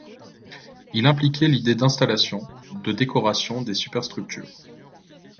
Il impliquait l'idée d'installation, de décoration des superstructures.